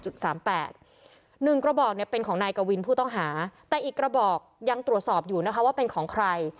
หนึ่งกระบอกเนี่ยเป็นของนายกวินผู้ต้องหาแต่อีกกระบอกยังตรวจสอบอยู่นะคะว่าเป็นของใคร